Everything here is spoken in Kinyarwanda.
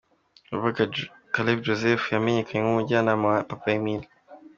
Uwagaba Caleb Joseph yamenyekanye nk’umujyanama wa Papa Emile.